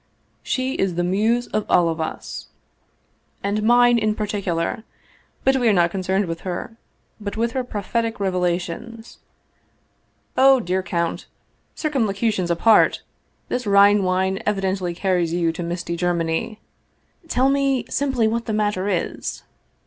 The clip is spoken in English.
" She is the muse of all of us." " And mine in particular. But we are not concerned with her, but with her prophetic revelations." "Oh, dear count! Circumlocutions apart! This Rhine 226 Vsevolod Vladimir ovitch Krestovski wine evidently carries you to misty Germany. Tell me simply what the matter is."